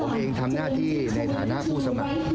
ผมเองทำหน้าที่ในฐานะผู้สมัคร